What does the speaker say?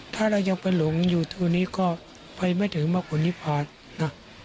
ถ้าเรายังเป็นหลวงอยู่ตรงนี้ก็ไปไม่ถึงมหุ่นนิพันธ์นะ